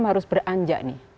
dia harus beranjak nih